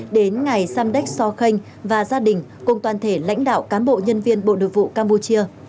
đến ngày samdek so khanh và gia đình cùng toàn thể lãnh đạo cán bộ nhân viên bộ nội vụ campuchia